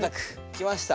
きました。